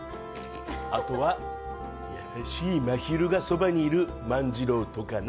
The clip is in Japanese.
あとは優しいまひるがそばにいる、万次郎とかな！